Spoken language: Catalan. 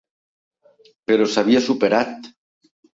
Però s'havia superat.